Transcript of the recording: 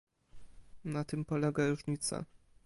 Na tym polega różnica